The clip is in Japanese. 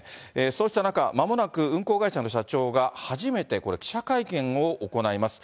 そうした中、まもなく運航会社の社長が、初めて、これ、記者会見を行います。